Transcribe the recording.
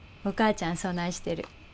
お母ちゃんそないしてる。